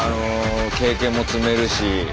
経験も積めるし。